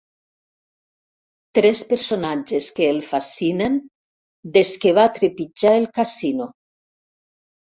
Tres personatges que el fascinen des que va trepitjar el casino.